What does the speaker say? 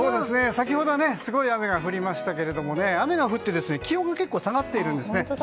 先ほどすごい雨が降りましたけど雨が降って気温が結構下がっているんです。